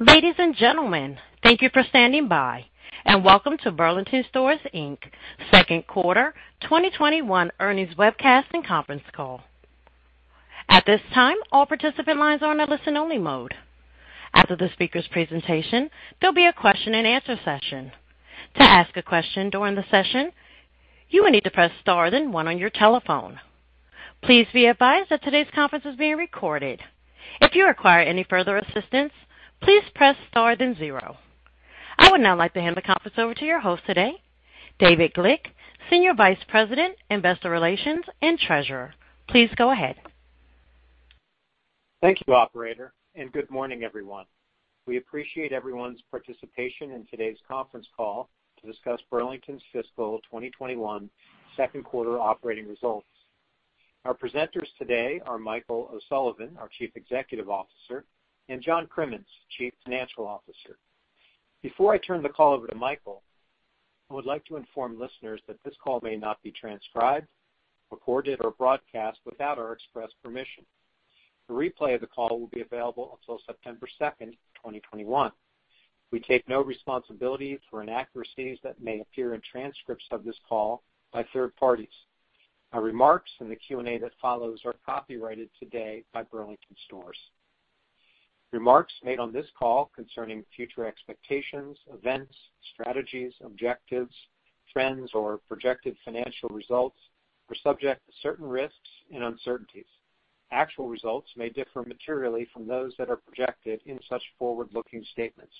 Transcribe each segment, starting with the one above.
Ladies and gentlemen, thank you for standing by, and welcome to Burlington Stores, Inc.'s second quarter 2021 earnings webcast and conference call. At this time, all participant lines are in a listen-only mode. After the speakers' presentation, there'll be a question and answer session. To ask a question during the session, you will need to press star then one on your telephone. Please be advised that today's conference is being recorded. If you require any further assistance, please press star then zero. I would now like to hand the conference over to your host today, David Glick, Group Senior Vice President, Investor Relations and Treasurer. Please go ahead. Thank you, operator. Good morning, everyone. We appreciate everyone's participation in today's conference call to discuss Burlington's fiscal 2021 second quarter operating results. Our presenters today are Michael O'Sullivan, our Chief Executive Officer, and John Crimmins, Chief Financial Officer. Before I turn the call over to Michael, I would like to inform listeners that this call may not be transcribed, recorded, or broadcast without our express permission. A replay of the call will be available until September 2nd, 2021. We take no responsibility for inaccuracies that may appear in transcripts of this call by third parties. Our remarks in the Q&A that follows are copyrighted today by Burlington Stores. Remarks made on this call concerning future expectations, events, strategies, objectives, trends, or projected financial results are subject to certain risks and uncertainties. Actual results may differ materially from those that are projected in such forward-looking statements.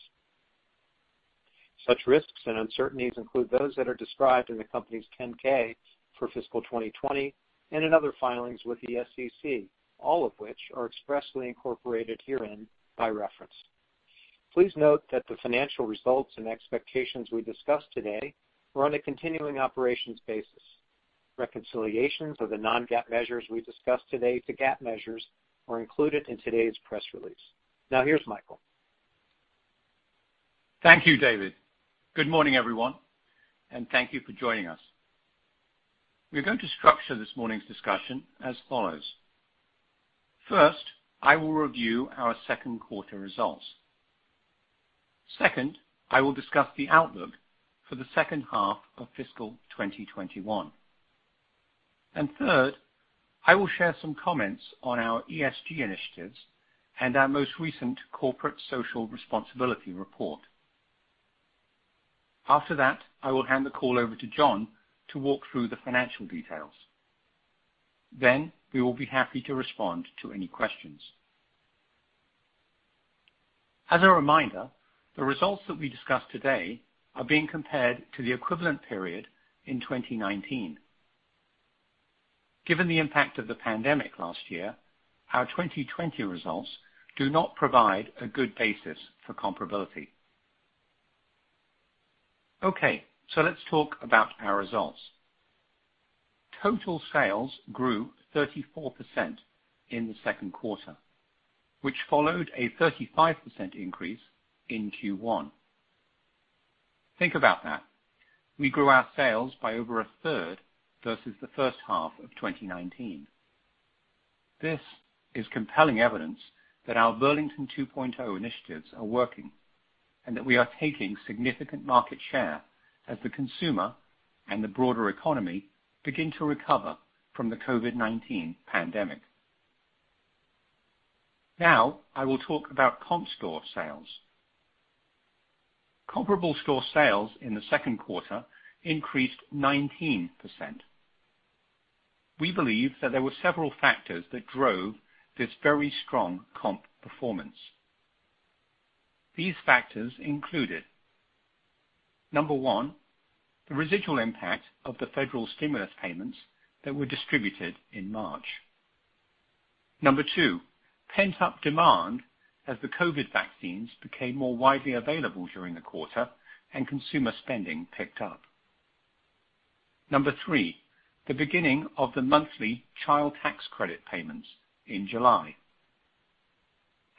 Such risks and uncertainties include those that are described in the company's 10-K for fiscal 2020 and in other filings with the Securities and Exchange Commission, all of which are expressly incorporated herein by reference. Please note that the financial results and expectations we discuss today are on a continuing operations basis. Reconciliations of the non-GAAP measures we discuss today to GAAP measures are included in today's press release. Here's Michael O'Sullivan. Thank you, David. Good morning, everyone, and thank you for joining us. We are going to structure this morning's discussion as follows. First, I will review our second quarter results. Second, I will discuss the outlook for the second half of fiscal 2021. Third, I will share some comments on our Environmental, Social, and Governance initiatives and our most recent corporate social responsibility report. After that, I will hand the call over to John to walk through the financial details. We will be happy to respond to any questions. As a reminder, the results that we discuss today are being compared to the equivalent period in 2019. Given the impact of the pandemic last year, our 2020 results do not provide a good basis for comparability. Okay, let's talk about our results. Total sales grew 34% in the second quarter, which followed a 35% increase in Q1. Think about that. We grew our sales by over a third versus the first half of 2019. This is compelling evidence that our Burlington 2.0 initiatives are working and that we are taking significant market share as the consumer and the broader economy begin to recover from the COVID-19 pandemic. Now, I will talk about Comparable store sales. Comparable store sales in the second quarter increased 19%. We believe that there were several factors that drove this very strong comp performance. These factors included, number one, the residual impact of the federal stimulus payments that were distributed in March. Number two, pent-up demand as the COVID vaccines became more widely available during the quarter and consumer spending picked up. Number three, the beginning of the monthly Child Tax Credit payments in July.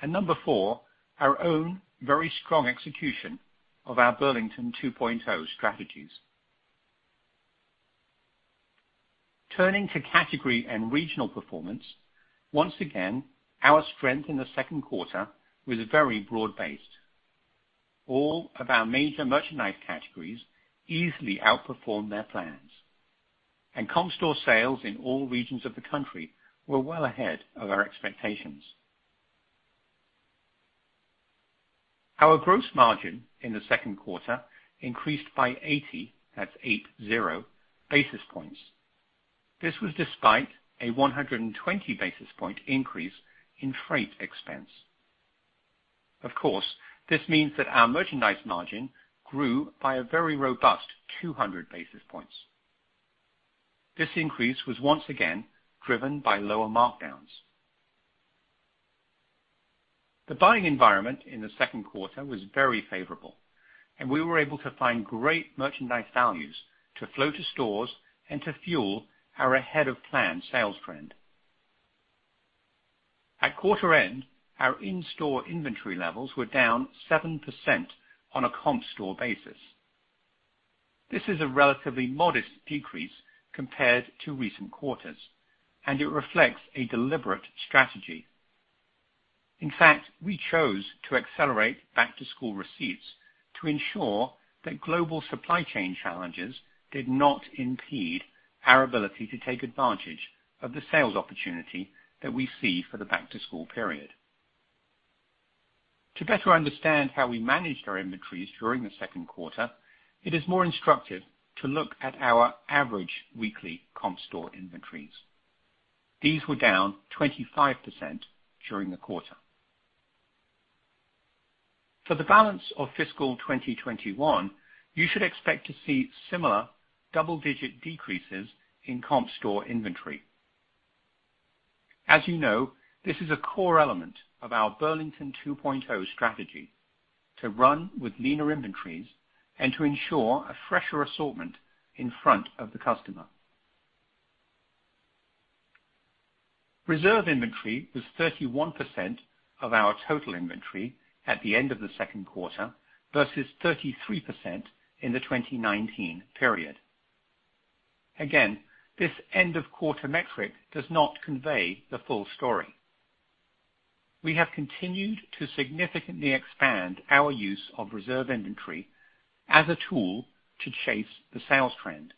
Number four, our own very strong execution of our Burlington 2.0 strategies. Turning to category and regional performance, once again, our strength in the second quarter was very broad-based. All of our major merchandise categories easily outperformed their plans, and Comparable store sales in all regions of the country were well ahead of our expectations. Our gross margin in the second quarter increased by 80, that's eight zero, basis points. This was despite a 120 basis point increase in freight expense. Of course, this means that our merchandise margin grew by a very robust 200 basis points. This increase was once again driven by lower markdowns. The buying environment in the second quarter was very favorable, and we were able to find great merchandise values to flow to stores and to fuel our ahead-of-plan sales trend. At quarter end, our in-store inventory levels were down 7% on a comp store basis. This is a relatively modest decrease compared to recent quarters. It reflects a deliberate strategy. In fact, we chose to accelerate back-to-school receipts to ensure that global supply chain challenges did not impede our ability to take advantage of the sales opportunity that we see for the back-to-school period. To better understand how we managed our inventories during the second quarter, it is more instructive to look at our average weekly comp store inventories. These were down 25% during the quarter. For the balance of fiscal 2021, you should expect to see similar double-digit decreases in comp store inventory. As you know, this is a core element of our Burlington 2.0 strategy to run with leaner inventories and to ensure a fresher assortment in front of the customer. Reserve inventory was 31% of our total inventory at the end of the second quarter versus 33% in the 2019 period. This end-of-quarter metric does not convey the full story. We have continued to significantly expand our use of reserve inventory as a tool to chase the sales trend.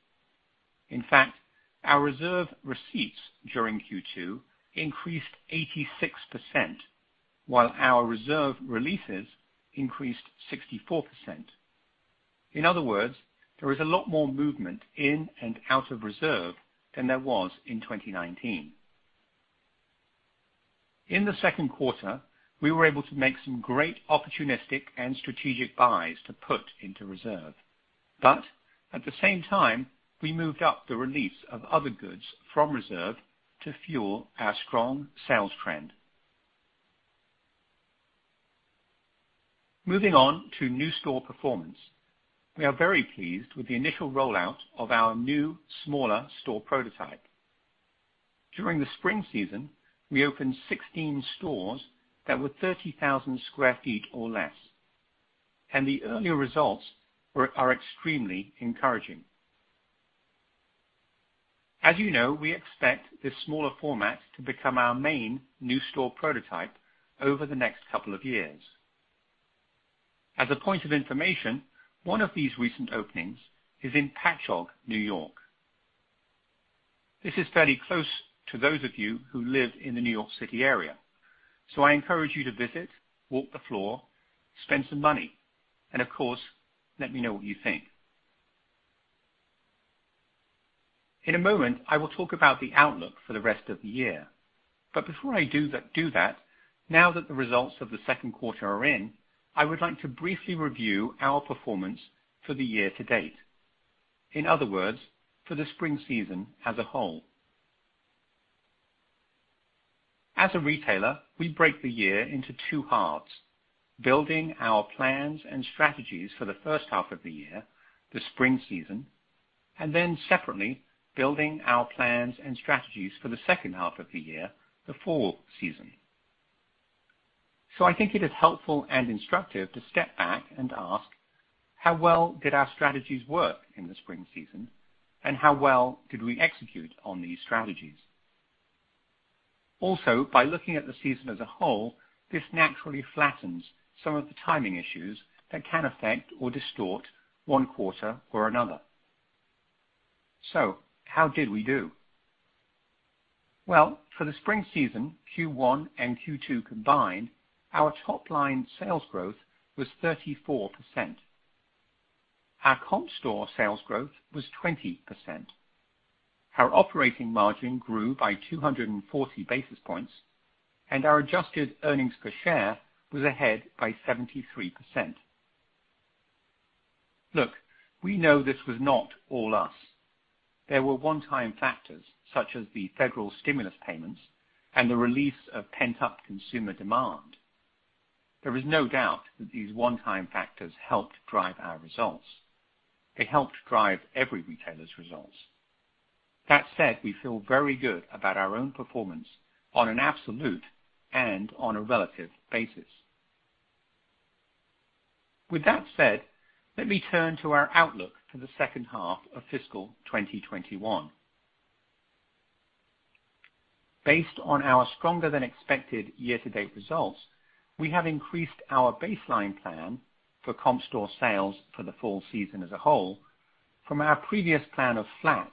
Our reserve receipts during Q2 increased 86%, while our reserve releases increased 64%. There is a lot more movement in and out of reserve than there was in 2019. In the second quarter, we were able to make some great opportunistic and strategic buys to put into reserve. At the same time, we moved up the release of other goods from reserve to fuel our strong sales trend. Moving on to new store performance. We are very pleased with the initial rollout of our new smaller store prototype. During the spring season, we opened 16 stores that were 30,000 sq ft or less, and the early results are extremely encouraging. As you know, we expect this smaller format to become our main new store prototype over the next couple of years. As a point of information, one of these recent openings is in Patchogue, N.Y. This is fairly close to those of you who live in the New York City area, so I encourage you to visit, walk the floor, spend some money, and of course, let me know what you think. In a moment, I will talk about the outlook for the rest of the year. But before I do that, now that the results of the second quarter are in, I would like to briefly review our performance for the year to date. In other words, for the spring season as a whole. As a retailer, we break the year into 2/2, building our plans and strategies for the first half of the year, the spring season, and then separately building our plans and strategies for the second half of the year, the fall season. I think it is helpful and instructive to step back and ask, how well did our strategies work in the spring season, and how well did we execute on these strategies? Also, by looking at the season as a whole, this naturally flattens some of the timing issues that can affect or distort one quarter or another. How did we do? For the spring season, Q1 and Q2 combined, our top-line sales growth was 34%. Our Comparable store sales growth was 20%. Our operating margin grew by 240 basis points, and our Adjusted Earnings per Share was ahead by 73%. Look, we know this was not all us. There were one-time factors such as the federal stimulus payments and the release of pent-up consumer demand. There is no doubt that these one-time factors helped drive our results. They helped drive every retailer's results. That said, we feel very good about our own performance on an absolute and on a relative basis. With that said, let me turn to our outlook for the second half of fiscal 2021. Based on our stronger than expected year-to-date results, we have increased our baseline plan for Comparable store sales for the fall season as a whole from our previous plan of flat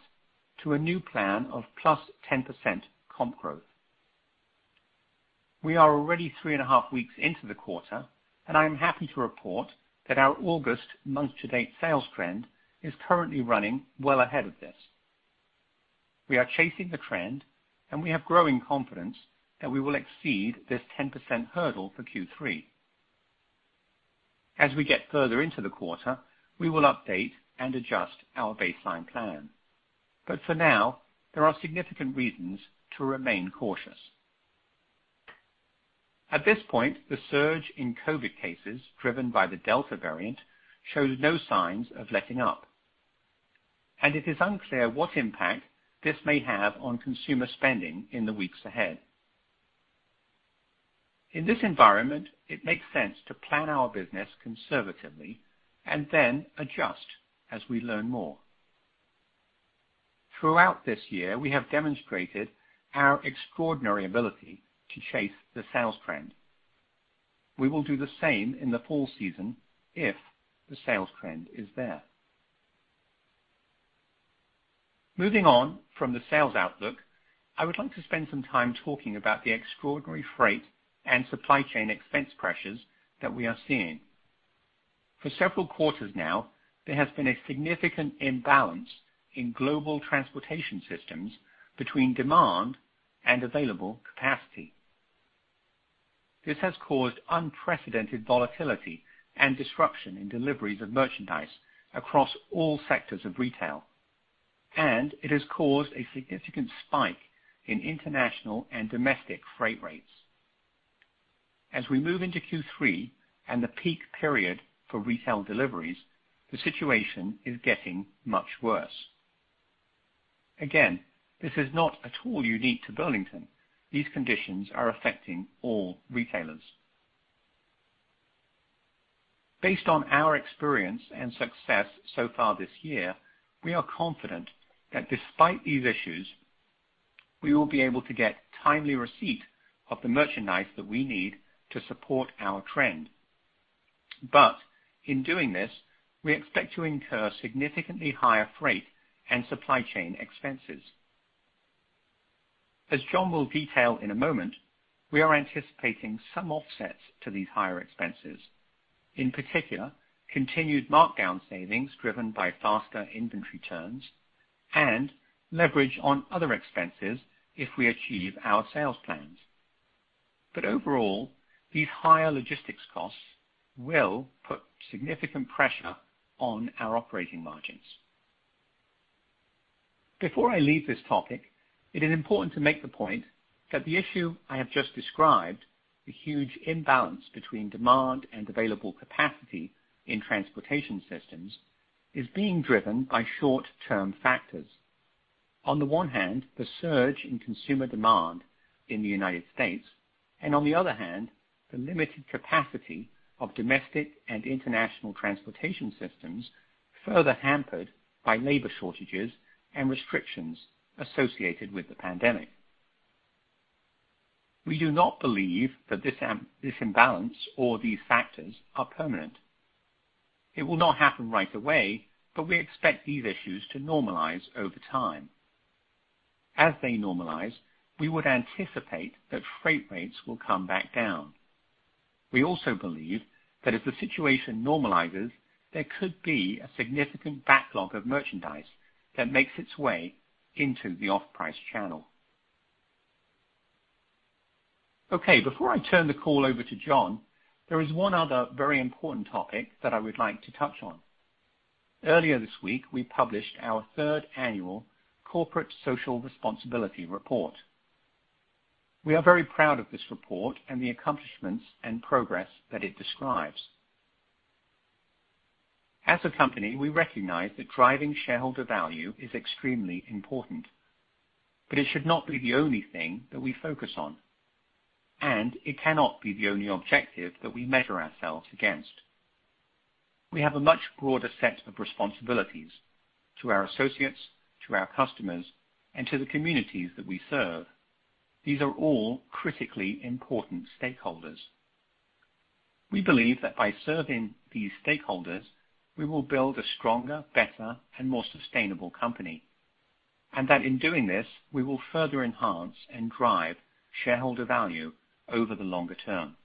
to a new plan of plus 10% comp growth. We are already three and a half weeks into the quarter, and I am happy to report that our August month-to-date sales trend is currently running well ahead of this. We are chasing the trend, we have growing confidence that we will exceed this 10% hurdle for Q3. As we get further into the quarter, we will update and adjust our baseline plan. For now, there are significant reasons to remain cautious. At this point, the surge in COVID-19 cases driven by the Delta variant shows no signs of letting up, and it is unclear what impact this may have on consumer spending in the weeks ahead. In this environment, it makes sense to plan our business conservatively and then adjust as we learn more. Throughout this year, we have demonstrated our extraordinary ability to chase the sales trend. We will do the same in the fall season if the sales trend is there. Moving on from the sales outlook, I would like to spend some time talking about the extraordinary freight and supply chain expense pressures that we are seeing. For several quarters now, there has been a significant imbalance in global transportation systems between demand and available capacity. This has caused unprecedented volatility and disruption in deliveries of merchandise across all sectors of retail, and it has caused a significant spike in international and domestic freight rates. As we move into Q3 and the peak period for retail deliveries, the situation is getting much worse. Again, this is not at all unique to Burlington. These conditions are affecting all retailers. Based on our experience and success so far this year, we are confident that despite these issues, we will be able to get timely receipt of the merchandise that we need to support our trend. In doing this, we expect to incur significantly higher freight and supply chain expenses. As John will detail in a moment, we are anticipating some offsets to these higher expenses. In particular, continued markdown savings driven by faster inventory turns and leverage on other expenses if we achieve our sales plans. Overall, these higher logistics costs will put significant pressure on our operating margins. Before I leave this topic, it is important to make the point that the issue I have just described, the huge imbalance between demand and available capacity in transportation systems, is being driven by short-term factors. On the one hand, the surge in consumer demand in the U.S., and on the other hand, the limited capacity of domestic and international transportation systems, further hampered by labor shortages and restrictions associated with the pandemic. We do not believe that this imbalance or these factors are permanent. It will not happen right away, but we expect these issues to normalize over time. As they normalize, we would anticipate that freight rates will come back down. We also believe that if the situation normalizes, there could be a significant backlog of merchandise that makes its way into the off-price channel. Okay, before I turn the call over to John, there is one other very important topic that I would like to touch. Earlier this week, we published our third annual corporate social responsibility report. We are very proud of this report and the accomplishments and progress that it describes. As a company, we recognize that driving shareholder value is extremely important, but it should not be the only thing that we focus on, and it cannot be the only objective that we measure ourselves against. We have a much broader set of responsibilities to our associates, to our customers, and to the communities that we serve. These are all critically important stakeholders. We believe that by serving these stakeholders, we will build a stronger, better, and more sustainable company, and that in doing this, we will further enhance and drive shareholder value over the longer term.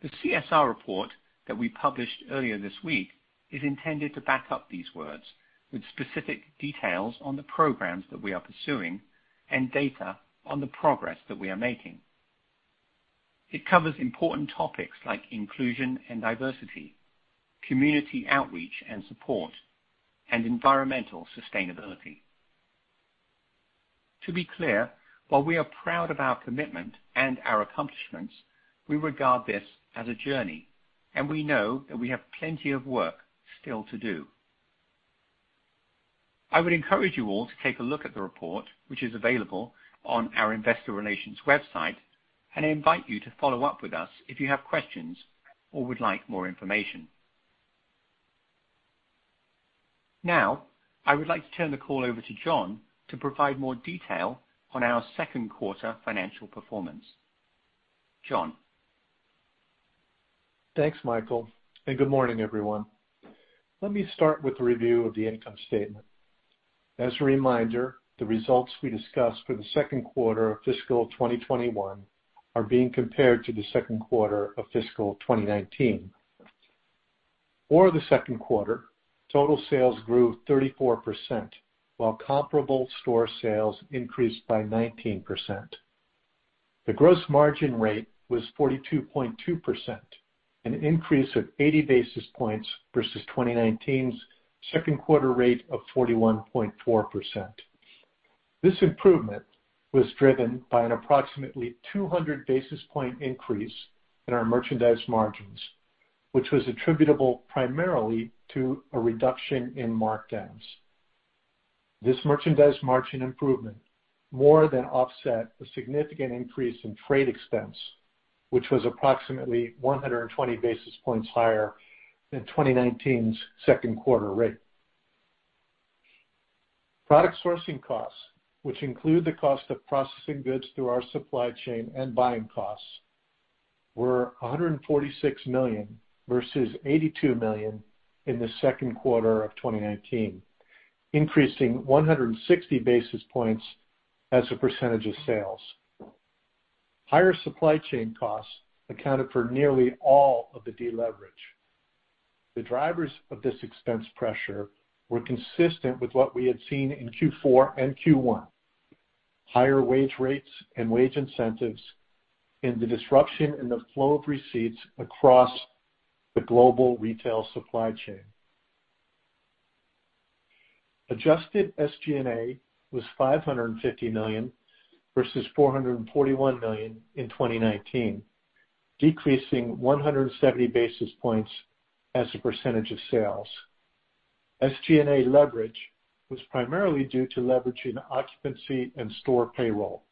The Corporate Social Responsibility report that we published earlier this week is intended to back up these words with specific details on the programs that we are pursuing and data on the progress that we are making. It covers important topics like inclusion and diversity, community outreach and support, and environmental sustainability. To be clear, while we are proud of our commitment and our accomplishments, we regard this as a journey, and we know that we have plenty of work still to do. I would encourage you all to take a look at the report, which is available on our investor relations website, and I invite you to follow up with us if you have questions or would like more information. Now, I would like to turn the call over to John to provide more detail on our second quarter financial performance. John Crimmins. Thanks, Michael, and good morning, everyone. Let me start with a review of the income statement. As a reminder, the results we discussed for the second quarter of fiscal 2021 are being compared to the second quarter of fiscal 2019. For the second quarter, total sales grew 34%, while comparable store sales increased by 19%. The gross margin rate was 42.2%, an increase of 80 basis points versus 2019's second quarter rate of 41.4%. This improvement was driven by an approximately 200 basis point increase in our merchandise margins, which was attributable primarily to a reduction in markdowns. This merchandise margin improvement more than offset the significant increase in trade expense, which was approximately 120 basis points higher than 2019's second quarter rate. Product sourcing costs, which include the cost of processing goods through our supply chain and buying costs, were $146 million versus $82 million in the second quarter of 2019, increasing 160 basis points as a percentage of sales. Higher supply chain costs accounted for nearly all of the deleverage. The drivers of this expense pressure were consistent with what we had seen in Q4 and Q1, higher wage rates and wage incentives, and the disruption in the flow of receipts across the global retail supply chain. Adjusted SG&A was $550 million versus $441 million in 2019, decreasing 170 basis points as a percentage of sales. SG&A leverage was primarily due to leverage in occupancy and store payroll.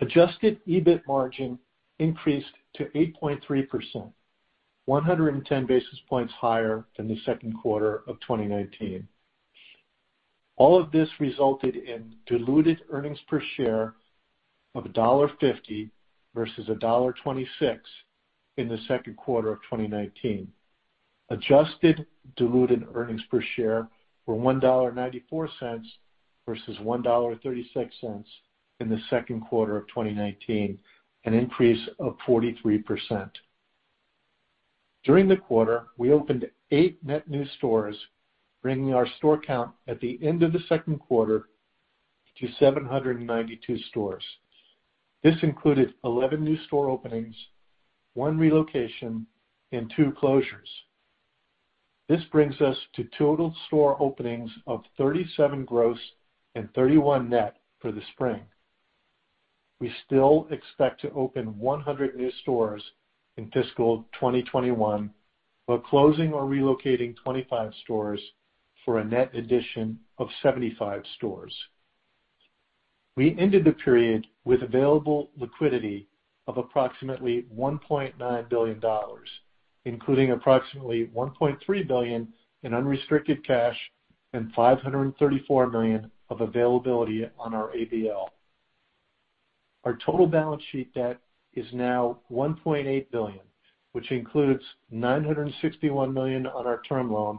Adjusted EBIT margin increased to 8.3%, 110 basis points higher than the second quarter of 2019. All of this resulted in Diluted Earnings per Share of $1.50 versus $1.26 in the second quarter of 2019. Adjusted Diluted Earnings per Share were $1.94 versus $1.36 in the second quarter of 2019, an increase of 43%. During the quarter, we opened eight net new stores, bringing our store count at the end of the second quarter to 792 stores. This included 11 new store openings, one relocation, and two closures. This brings us to total store openings of 37 gross and 31 net for the spring. We still expect to open 100 new stores in fiscal 2021, while closing or relocating 25 stores for a net addition of 75 stores. We ended the period with available liquidity of approximately $1.9 billion, including approximately $1.3 billion in unrestricted cash and $534 million of availability on our Asset-Based Lending. Our total balance sheet debt is now $1.8 billion, which includes $961 million on our term loan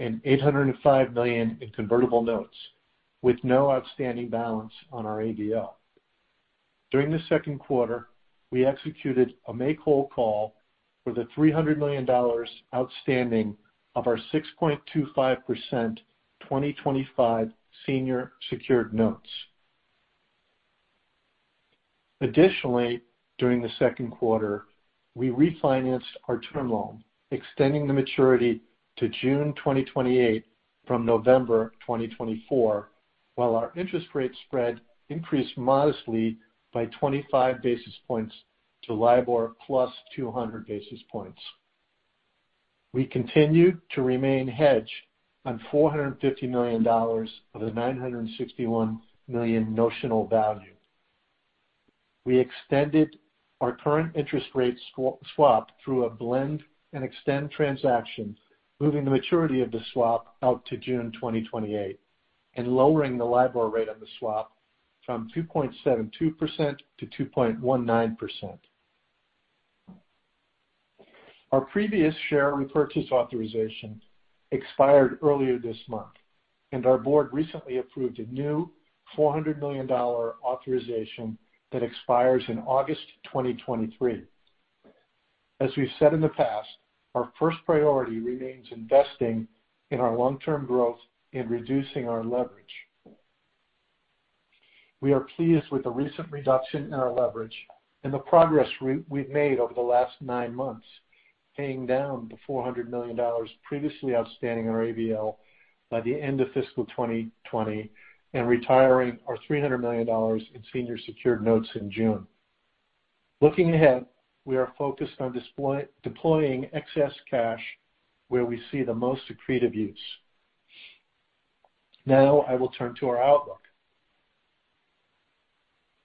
and $805 million in convertible notes with no outstanding balance on our ABL. During the second quarter, we executed a make-whole call for the $300 million outstanding of our 6.25% 2025 senior secured notes. Additionally, during the second quarter, we refinanced our term loan, extending the maturity to June 2028 from November 2024, while our interest rate spread increased modestly by 25 basis points to London Interbank Offered Rate plus 200 basis points. We continued to remain hedged on $450 million of the $961 million notional value. We extended our current interest rate swap through a blend and extend transaction, moving the maturity of the swap out to June 2028 and lowering the LIBOR rate on the swap from 2.72%-2.19%. Our previous share repurchase authorization expired earlier this month, and our board recently approved a new $400 million authorization that expires in August 2023. As we've said in the past, our first priority remains investing in our long-term growth in reducing our leverage. We are pleased with the recent reduction in our leverage and the progress we've made over the last nine months, paying down the $400 million previously outstanding on our ABL by the end of fiscal 2020 and retiring our $300 million in senior secured notes in June. Looking ahead, we are focused on deploying excess cash where we see the most accretive use. Now, I will turn to our outlook.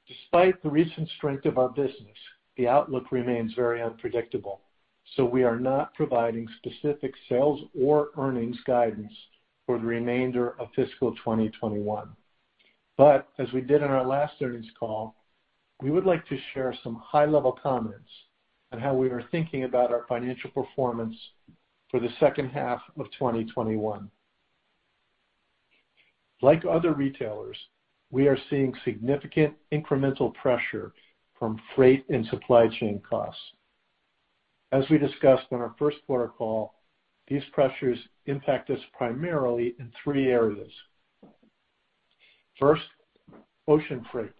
Despite the recent strength of our business, the outlook remains very unpredictable, so we are not providing specific sales or earnings guidance for the remainder of fiscal 2021. As we did on our last earnings call, we would like to share some high-level comments on how we are thinking about our financial performance for the second half of 2021. Like other retailers, we are seeing significant incremental pressure from freight and supply chain costs. As we discussed on our first quarter call, these pressures impact us primarily in three areas. First, ocean freight.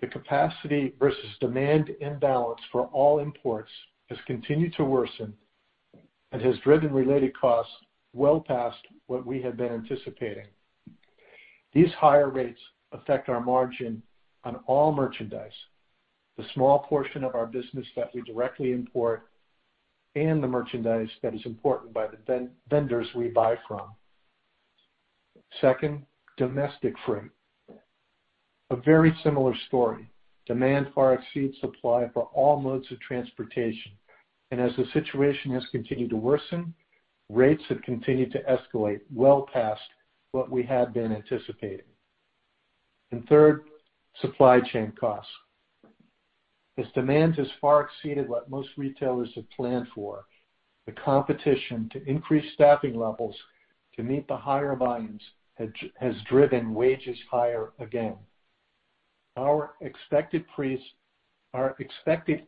The capacity versus demand imbalance for all imports has continued to worsen and has driven related costs well past what we had been anticipating. These higher rates affect our margin on all merchandise, the small portion of our business that we directly import, and the merchandise that is imported by the vendors we buy from. Second, domestic freight. A very similar story. Demand far exceeds supply for all modes of transportation. As the situation has continued to worsen, rates have continued to escalate well past what we had been anticipating. Third, supply chain costs. As demand has far exceeded what most retailers have planned for, the competition to increase staffing levels to meet the higher volumes has driven wages higher again. Our expected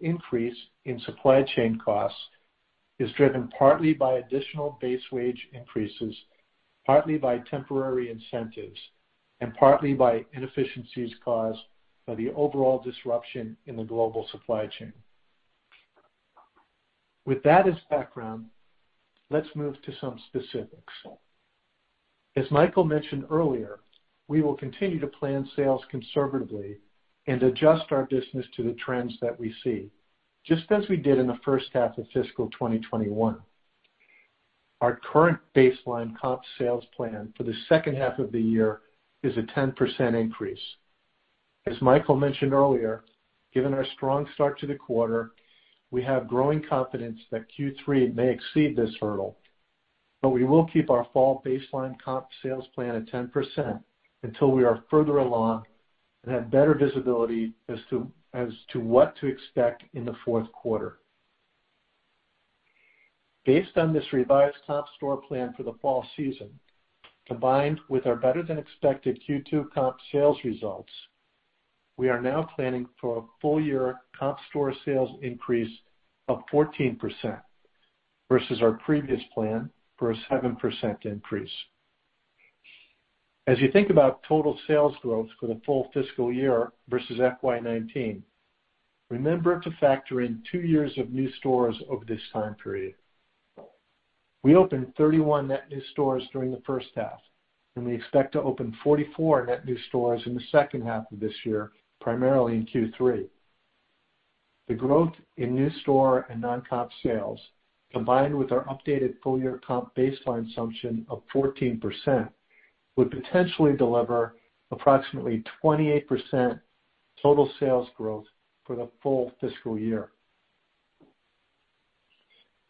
increase in supply chain costs is driven partly by additional base wage increases, partly by temporary incentives, and partly by inefficiencies caused by the overall disruption in the global supply chain. With that as background, let's move to some specifics. As Michael mentioned earlier, we will continue to plan sales conservatively and adjust our business to the trends that we see, just as we did in the first half of fiscal 2021. Our current baseline comp sales plan for the second half of the year is a 10% increase. As Michael mentioned earlier, given our strong start to the quarter, we have growing confidence that Q3 may exceed this hurdle, but we will keep our fall baseline comp sales plan at 10% until we are further along and have better visibility as to what to expect in the fourth quarter. Based on this revised comp store plan for the fall season, combined with our better than expected Q2 comp sales results, we are now planning for a full year comparable store sales increase of 14% versus our previous plan for a 7% increase. As you think about total sales growth for the full fiscal year versus FY 2019, remember to factor in two years of new stores over this time period. We opened 31 net new stores during the first half, and we expect to open 44 net new stores in the second half of this year, primarily in Q3. The growth in new store and non-comp sales, combined with our updated full-year comp baseline assumption of 14%, would potentially deliver approximately 28% total sales growth for the full fiscal year.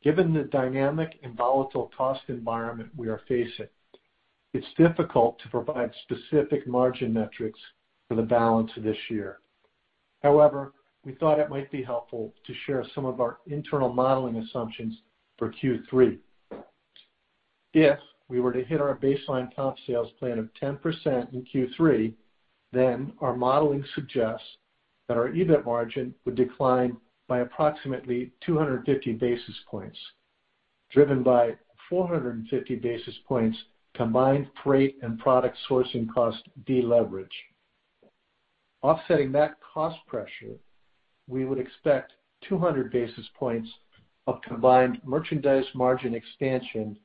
Given the dynamic and volatile cost environment we are facing, it's difficult to provide specific margin metrics for the balance of this year. However, we thought it might be helpful to share some of our internal modeling assumptions for Q3. If we were to hit our baseline comp sales plan of 10% in Q3, then our modeling suggests that our EBIT margin would decline by approximately 250 basis points, driven by 450 basis points combined freight and product sourcing cost deleverage. Offsetting that cost pressure, we would expect 200 basis points of combined merchandise margin expansion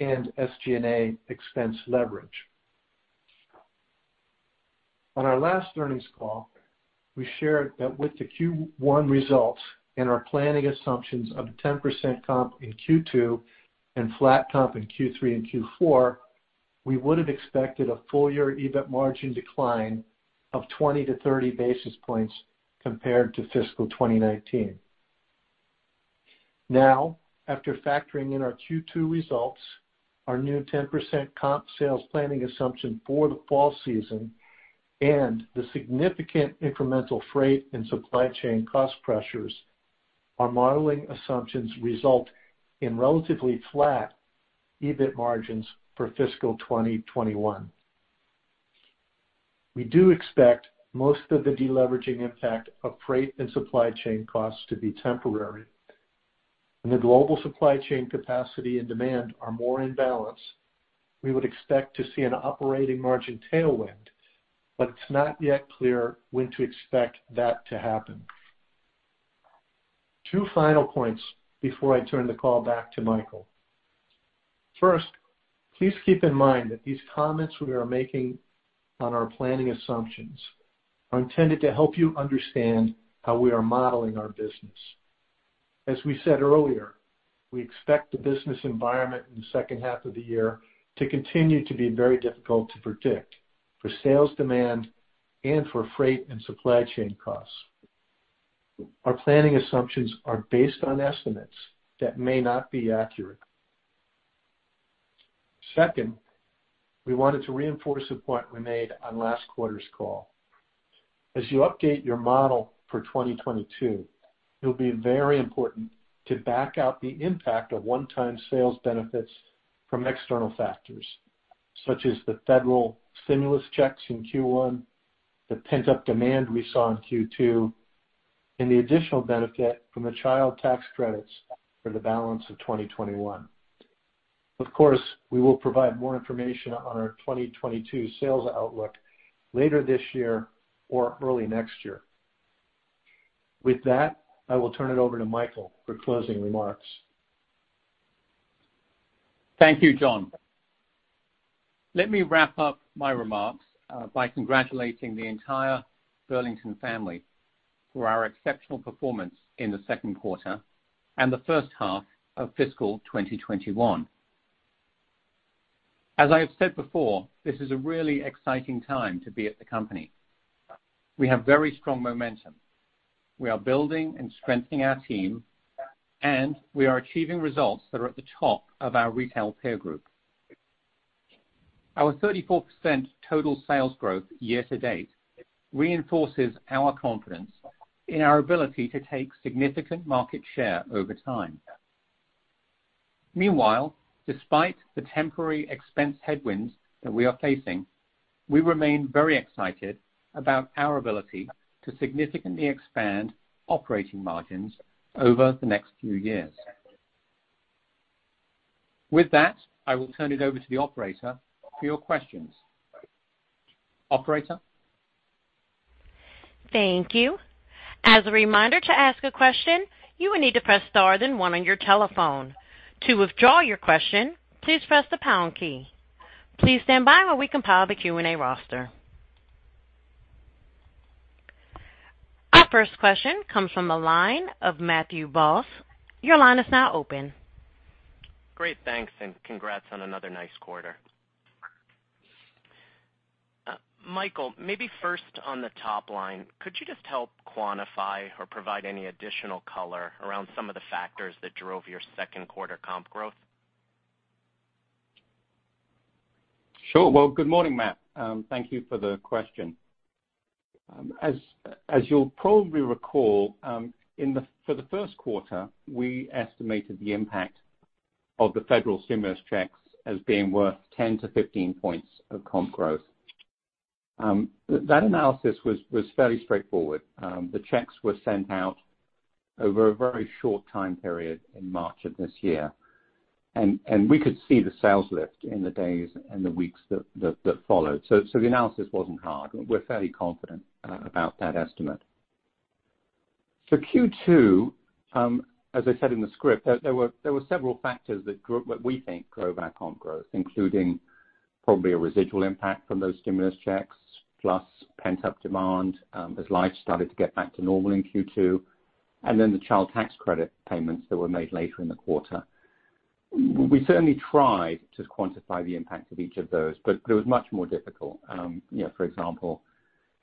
and SG&A expense leverage. On our last earnings call, we shared that with the Q1 results and our planning assumptions of 10% comp in Q2 and flat comp in Q3 and Q4, we would have expected a full-year EBIT margin decline of 20-30 basis points compared to fiscal 2019. Now, after factoring in our Q2 results, our new 10% comp sales planning assumption for the fall season, and the significant incremental freight and supply chain cost pressures, our modeling assumptions result in relatively flat EBIT margins for fiscal 2021. We do expect most of the deleveraging impact of freight and supply chain costs to be temporary. When the global supply chain capacity and demand are more in balance, we would expect to see an operating margin tailwind, but it's not yet clear when to expect that to happen. Two final points before I turn the call back to Michael. First, please keep in mind that these comments we are making on our planning assumptions are intended to help you understand how we are modeling our business. As we said earlier, we expect the business environment in the second half of the year to continue to be very difficult to predict for sales demand and for freight and supply chain costs. Our planning assumptions are based on estimates that may not be accurate. Second, we wanted to reinforce a point we made on last quarter's call. As you update your model for 2022, it will be very important to back out the impact of one-time sales benefits from external factors, such as the federal stimulus checks in Q1, the pent-up demand we saw in Q2, and the additional benefit from the Child Tax Credit for the balance of 2021. Of course, we will provide more information on our 2022 sales outlook later this year or early next year. With that, I will turn it over to Michael for closing remarks. Thank you, John. Let me wrap up my remarks by congratulating the entire Burlington family for our exceptional performance in the second quarter and the first half of fiscal 2021. As I have said before, this is a really exciting time to be at the company. We have very strong momentum. We are building and strengthening our team, and we are achieving results that are at the top of our retail peer group. Our 34% total sales growth year to date reinforces our confidence in our ability to take significant market share over time. Meanwhile, despite the temporary expense headwinds that we are facing, we remain very excited about our ability to significantly expand operating margins over the next few years. With that, I will turn it over to the operator for your questions. Operator? Thank you. As a reminder, to ask a question, you will need to press star then one on your telephone. To withdraw your question, please press the pound key. Please stand by while we compile the Q&A roster. Our first question comes from the line of Matthew Boss. Your line is now open. Great. Thanks, congrats on another nice quarter. Michael, maybe first on the top line, could you just help quantify or provide any additional color around some of the factors that drove your second quarter comp growth? Sure. Well, good morning, Matt. Thank you for the question. As you'll probably recall, for the first quarter, we estimated the impact of the federal stimulus checks as being worth 10-15 points of comp growth. That analysis was fairly straightforward. The checks were sent out over a very short time period in March of this year, and we could see the sales lift in the days and the weeks that followed. The analysis wasn't hard. We're fairly confident about that estimate. For Q2, as I said in the script, there were several factors that we think drove our comp growth, including probably a residual impact from those stimulus checks, plus pent-up demand as life started to get back to normal in Q2, and then the Child Tax Credit payments that were made later in the quarter. We certainly tried to quantify the impact of each of those, but it was much more difficult. For example,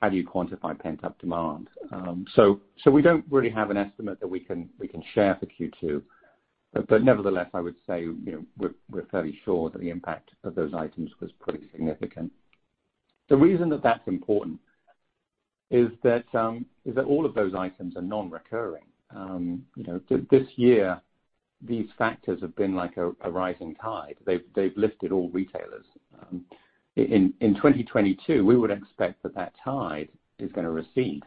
how do you quantify pent-up demand? We don't really have an estimate that we can share for Q2. Nevertheless, I would say, we're fairly sure that the impact of those items was pretty significant. The reason that that's important is that all of those items are non-recurring. This year, these factors have been like a rising tide. They've lifted all retailers. In 2022, we would expect that that tide is going to recede.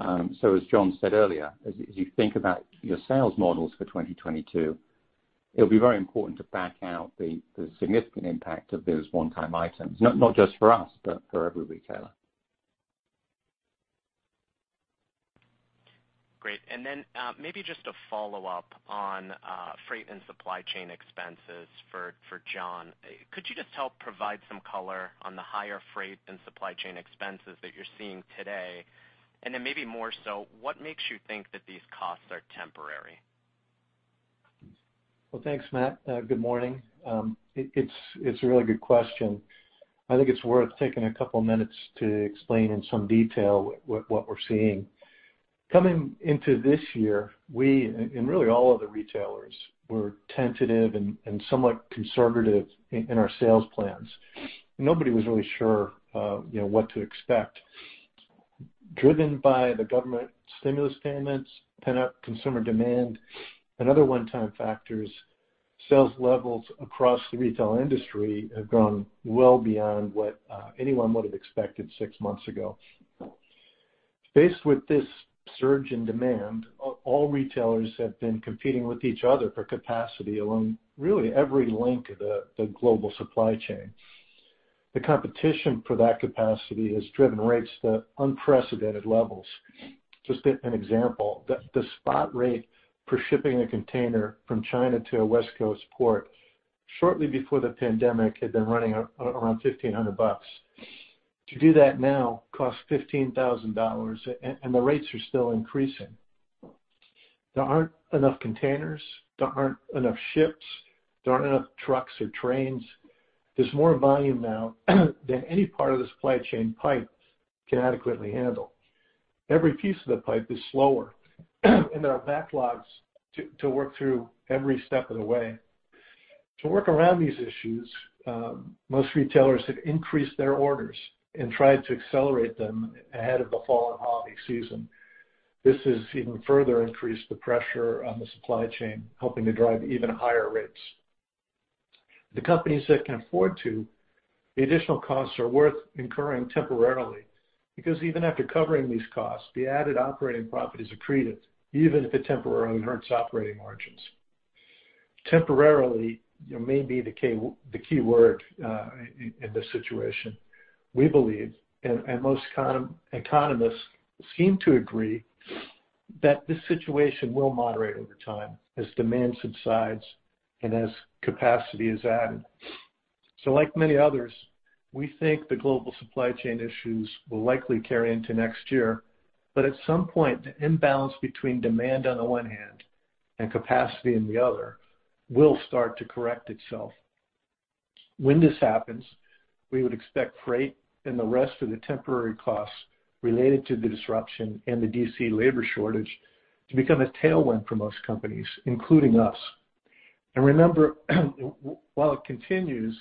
As John said earlier, as you think about your sales models for 2022, it'll be very important to back out the significant impact of those one-time items, not just for us, but for every retailer. Great. Maybe just a follow-up on freight and supply chain expenses for John. Could you just help provide some color on the higher freight and supply chain expenses that you're seeing today? Maybe more so, what makes you think that these costs are temporary? Well, thanks, Matt. Good morning. It's a really good question. I think it's worth taking a couple of minutes to explain in some detail what we're seeing. Coming into this year, we and really all of the retailers were tentative and somewhat conservative in our sales plans. Nobody was really sure what to expect. Driven by the government stimulus payments, pent-up consumer demand, and other one-time factors, sales levels across the retail industry have gone well beyond what anyone would have expected six months ago. Faced with this surge in demand, all retailers have been competing with each other for capacity along really every link of the global supply chain. The competition for that capacity has driven rates to unprecedented levels. Just an example, the spot rate for shipping a container from China to a West Coast port shortly before the pandemic had been running around $1,500. To do that now costs $15,000, and the rates are still increasing. There aren't enough containers. There aren't enough ships. There aren't enough trucks or trains. There's more volume now than any part of the supply chain pipe can adequately handle. Every piece of the pipe is slower, and there are backlogs to work through every step of the way. To work around these issues, most retailers have increased their orders and tried to accelerate them ahead of the fall and holiday season. This has even further increased the pressure on the supply chain, helping to drive even higher rates. The companies that can afford to, the additional costs are worth incurring temporarily, because even after covering these costs, the added operating profit is accretive, even if it temporarily hurts operating margins. Temporarily may be the key word in this situation. We believe, and most economists seem to agree that this situation will moderate over time as demand subsides and as capacity is added. Like many others, we think the global supply chain issues will likely carry into next year, but at some point, the imbalance between demand on the one hand and capacity in the other will start to correct itself. When this happens, we would expect freight and the rest of the temporary costs related to the disruption and the DC labor shortage to become a tailwind for most companies, including us. Remember, while it continues,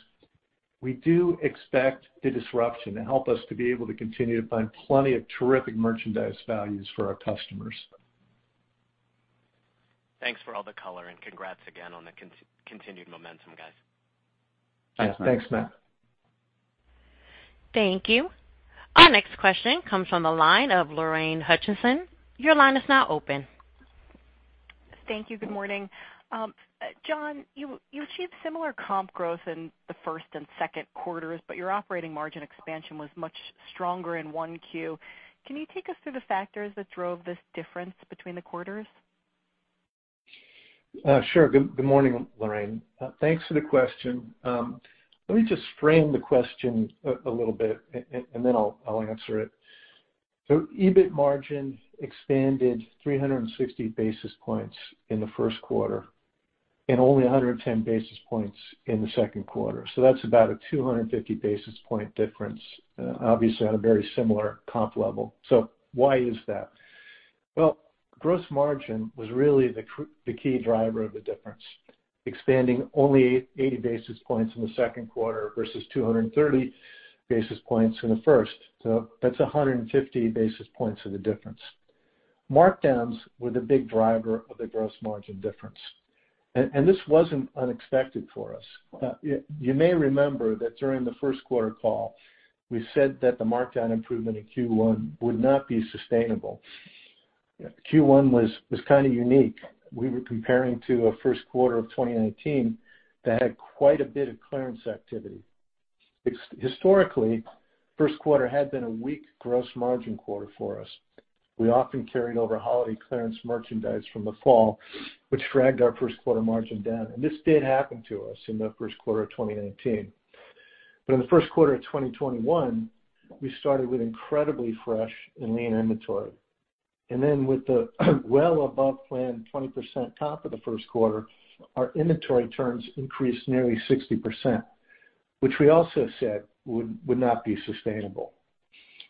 we do expect the disruption to help us to be able to continue to find plenty of terrific merchandise values for our customers. Thanks for all the color, and congrats again on the continued momentum, guys. Thanks, Matt. Thank you. Our next question comes from the line of Lorraine Hutchinson. Your line is now open. Thank you. Good morning. John, you achieved similar comp growth in the first and second quarters, but your operating margin expansion was much stronger in 1Q. Can you take us through the factors that drove this difference between the quarters? Sure. Good morning, Lorraine. Thanks for the question. Let me just frame the question a little bit, and then I'll answer it. EBIT margin expanded 360 basis points in the first quarter and only 110 basis points in the second quarter. That's about a 250 basis point difference, obviously, on a very similar comp level. Why is that? Gross margin was really the key driver of the difference, expanding only 80 basis points in the second quarter versus 230 basis points in the first. That's 150 basis points of the difference. Markdowns were the big driver of the gross margin difference, and this wasn't unexpected for us. You may remember that during the first quarter call, we said that the markdown improvement in Q1 would not be sustainable. Q1 was kind of unique. We were comparing to a first quarter of 2019 that had quite a bit of clearance activity. Historically, first quarter had been a weak gross margin quarter for us. We often carried over holiday clearance merchandise from the fall, which dragged our first quarter margin down, and this did happen to us in the first quarter of 2019. In the first quarter of 2021, we started with incredibly fresh and lean inventory. With the well above plan 20% comp of the first quarter, our inventory turns increased nearly 60%, which we also said would not be sustainable.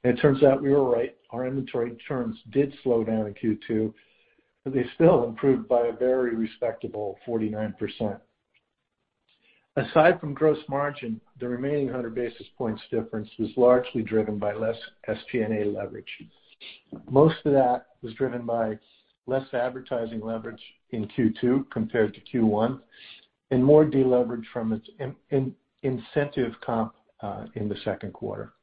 It turns out we were right. Our inventory turns did slow down in Q2, but they still improved by a very respectable 49%. Aside from gross margin, the remaining 100 basis points difference was largely driven by less SG&A leverage. Most of that was driven by less advertising leverage in Q2 compared to Q1 and more deleverage from its incentive comp in the second quarter.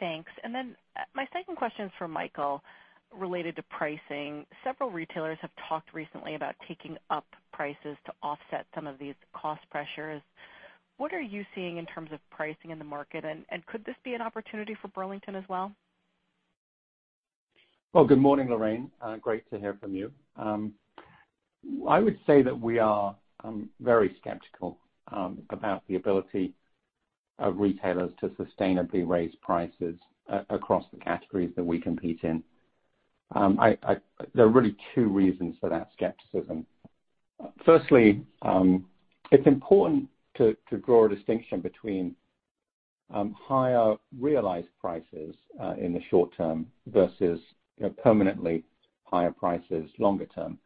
Thanks. My second question is for Michael, related to pricing. Several retailers have talked recently about taking up prices to offset some of these cost pressures. What are you seeing in terms of pricing in the market, and could this be an opportunity for Burlington as well? Well, good morning, Lorraine. Great to hear from you. I would say that we are very skeptical about the ability of retailers to sustainably raise prices across the categories that we compete in. There are really two reasons for that skepticism. Firstly, it's important to draw a distinction between higher realized prices in the short term versus permanently higher prices longer term.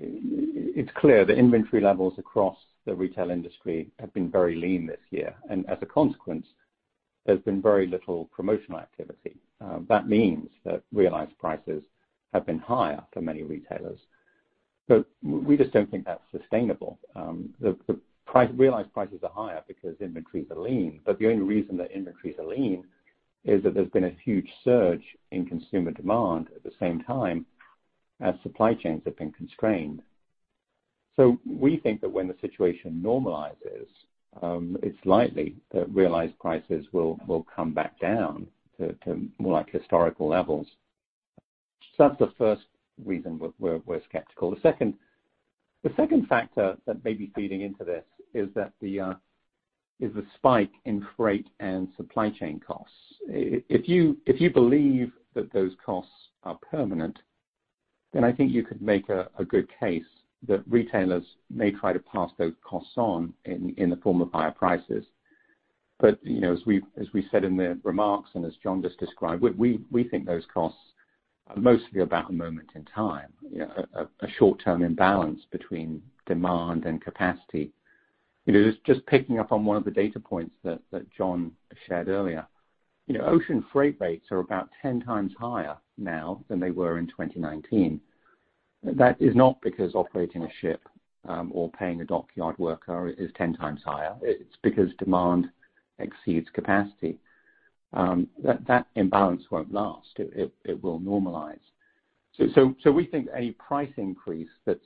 It's clear the inventory levels across the retail industry have been very lean this year, and as a consequence, there's been very little promotional activity. That means that realized prices have been higher for many retailers. We just don't think that's sustainable. The realized prices are higher because inventories are lean, but the only reason that inventories are lean is that there's been a huge surge in consumer demand at the same time as supply chains have been constrained. We think that when the situation normalizes, it's likely that realized prices will come back down to more like historical levels. That's the first reason we're skeptical. The second factor that may be feeding into this is the spike in freight and supply chain costs. If you believe that those costs are permanent, then I think you could make a good case that retailers may try to pass those costs on in the form of higher prices. As we said in the remarks and as John just described, we think those costs are mostly about a moment in time, a short-term imbalance between demand and capacity. Just picking up on one of the data points that John shared earlier, ocean freight rates are about 10x higher now than they were in 2019. That is not because operating a ship or paying a dockyard worker is 10 times higher. It's because demand exceeds capacity. That imbalance won't last. It will normalize. We think a price increase that's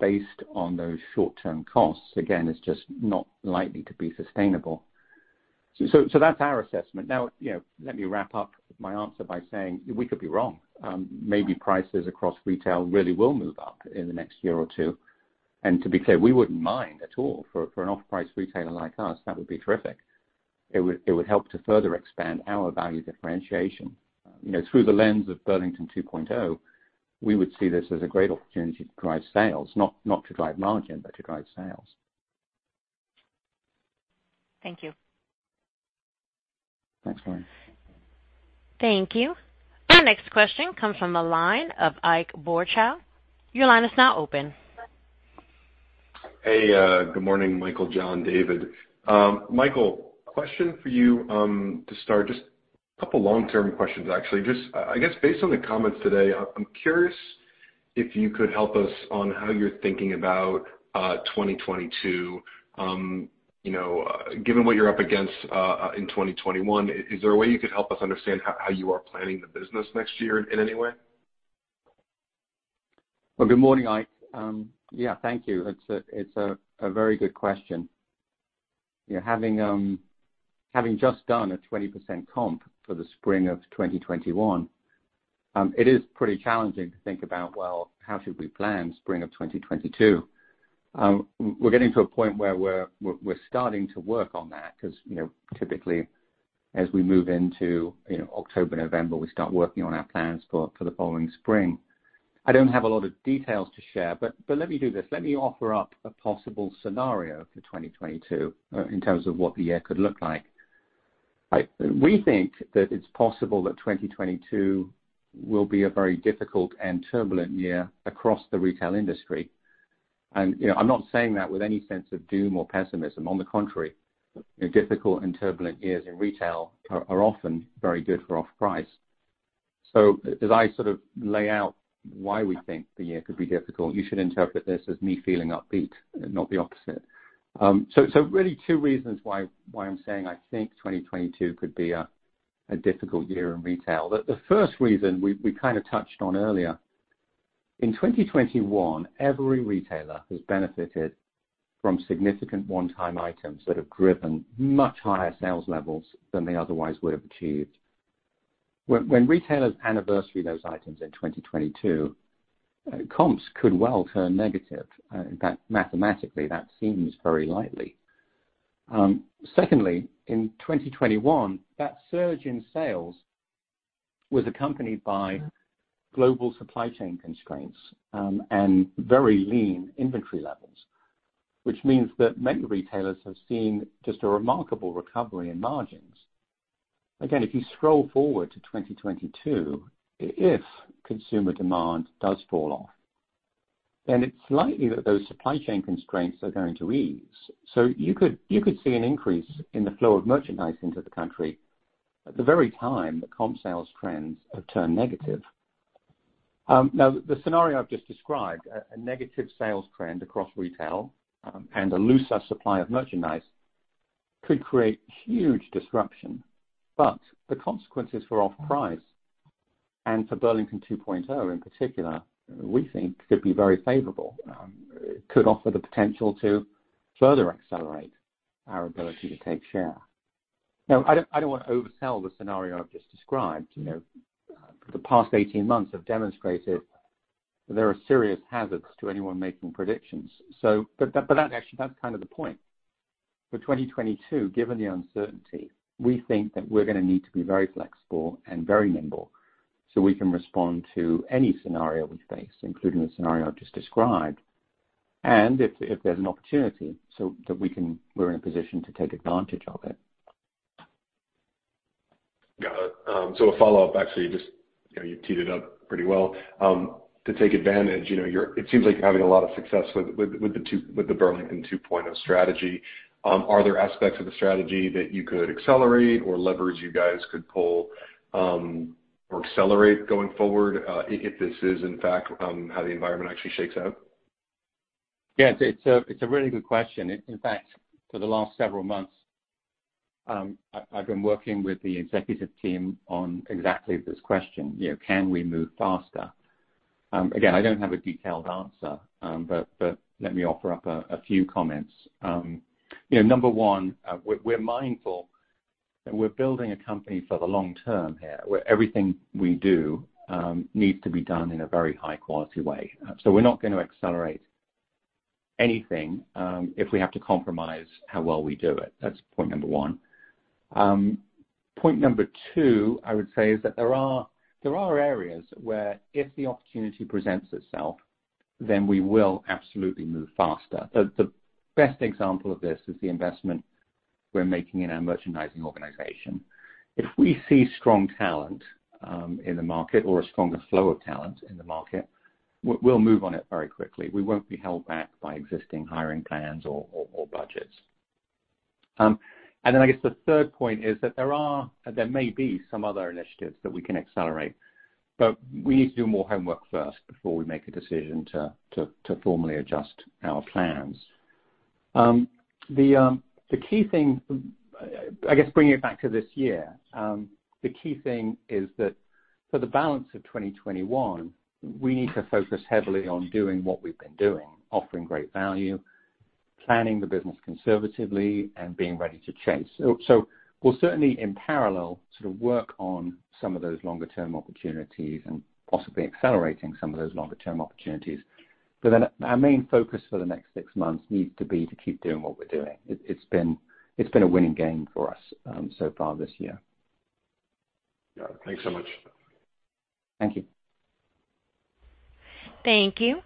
based on those short-term costs, again, is just not likely to be sustainable. That's our assessment. Now, let me wrap up my answer by saying we could be wrong. Maybe prices across retail really will move up in the next year or two, and to be clear, we wouldn't mind at all. For an off-price retailer like us, that would be terrific. It would help to further expand our value differentiation. Through the lens of Burlington 2.0, we would see this as a great opportunity to drive sales, not to drive margin, but to drive sales. Thank you. Thanks, Lorraine. Thank you. Our next question comes from the line of Ike Boruchow. Your line is now open Hey, good morning, Michael, John, David. Michael, question for you to start. Just a couple of long-term questions, actually. Just, I guess, based on the comments today, I'm curious if you could help us on how you're thinking about 2022. Given what you're up against in 2021, is there a way you could help us understand how you are planning the business next year in any way? Good morning, Ike. Yeah, thank you. It's a very good question. Having just done a 20% comp for the spring of 2021, it is pretty challenging to think about, well, how should we plan spring of 2022? We're getting to a point where we're starting to work on that because, typically, as we move into October, November, we start working on our plans for the following spring. I don't have a lot of details to share, but let me do this. Let me offer up a possible scenario for 2022 in terms of what the year could look like. Ike, we think that it's possible that 2022 will be a very difficult and turbulent year across the retail industry. I'm not saying that with any sense of doom or pessimism. On the contrary, difficult and turbulent years in retail are often very good for off-price. As I sort of lay out why we think the year could be difficult, you should interpret this as me feeling upbeat and not the opposite. Really two reasons why I'm saying I think 2022 could be a difficult year in retail. The first reason we kind of touched on earlier. In 2021, every retailer has benefited from significant one-time items that have driven much higher sales levels than they otherwise would have achieved. When retailers anniversary those items in 2022, comps could well turn negative. In fact, mathematically, that seems very likely. Secondly, in 2021, that surge in sales was accompanied by global supply chain constraints, and very lean inventory levels, which means that many retailers have seen just a remarkable recovery in margins Again, if you scroll forward to 2022, if consumer demand does fall off, it's likely that those supply chain constraints are going to ease. You could see an increase in the flow of merchandise into the country at the very time that comp sales trends have turned negative. The scenario I've just described, a negative sales trend across retail, and a looser supply of merchandise, could create huge disruption. The consequences for off-price and for Burlington 2.0, in particular, we think could be very favorable. It could offer the potential to further accelerate our ability to take share. I don't want to oversell the scenario I've just described. The past 18 months have demonstrated there are serious hazards to anyone making predictions. That actually, that's kind of the point. For 2022, given the uncertainty, we think that we're going to need to be very flexible and very nimble so we can respond to any scenario we face, including the scenario I've just described. If there's an opportunity, so that we're in a position to take advantage of it. Got it. A follow-up, actually, just you teed it up pretty well. To take advantage, it seems like you're having a lot of success with the Burlington 2.0 strategy. Are there aspects of the strategy that you could accelerate or leverage you guys could pull or accelerate going forward, if this is in fact how the environment actually shakes out? Yes, it's a really good question. In fact, for the last several months, I've been working with the executive team on exactly this question. Can we move faster? I don't have a detailed answer. Let me offer up a few comments. Number one, we're mindful that we're building a company for the long term here, where everything we do needs to be done in a very high-quality way. We're not going to accelerate anything, if we have to compromise how well we do it. That's point number one. Point number two, I would say, is that there are areas where if the opportunity presents itself, then we will absolutely move faster. The best example of this is the investment we're making in our merchandising organization. If we see strong talent in the market or a stronger flow of talent in the market, we'll move on it very quickly. We won't be held back by existing hiring plans or budgets. I guess the third point is that there may be some other initiatives that we can accelerate, but we need to do more homework first before we make a decision to formally adjust our plans. The key thing, I guess, bringing it back to this year, the key thing is that for the balance of 2021, we need to focus heavily on doing what we've been doing, offering great value, planning the business conservatively, and being ready to chase. We'll certainly, in parallel, sort of work on some of those longer-term opportunities and possibly accelerating some of those longer-term opportunities. Our main focus for the next six months needs to be to keep doing what we're doing. It's been a winning game for us so far this year. Yeah. Thanks so much. Thank you. Thank you.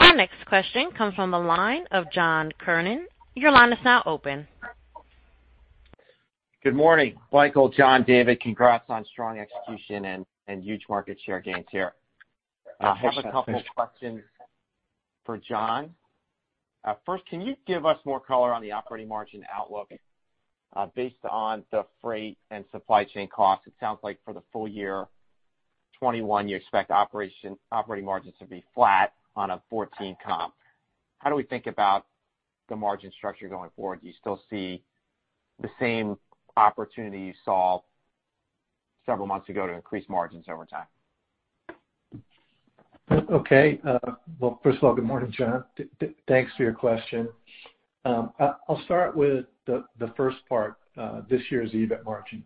Our next question comes from the line of John Kernan. Your line is now open. Good morning, Michael, John, David. Congrats on strong execution and huge market share gains here. Hi, John. I have a couple questions for John. First, can you give us more color on the operating margin outlook based on the freight and supply chain costs? It sounds like for the full year 2021, you expect operating margins to be flat on a 14% comp. How do we think about the margin structure going forward? Do you still see the same opportunity you saw several months ago to increase margins over time? Okay. Well, first of all, good morning, John. Thanks for your question. I'll start with the first part, this year's EBIT margin.